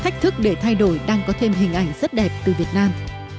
người thay đổi đang có thêm hình ảnh rất đẹp từ việt nam